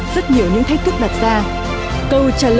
rất nhiều những thách thức đặt ra